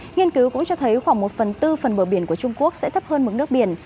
nghiên cứu cũng cho thấy khoảng một phần tư phần bờ biển của trung quốc sẽ thấp hơn mức nước biển